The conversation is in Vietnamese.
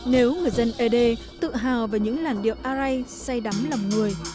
nếu người dân ế đê tự hào về những làn điệu ai ray say đắm lầm người